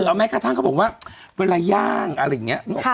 เอาแม้กระทั่งเขาบอกว่าเวลาย่างอะไรอย่างนี้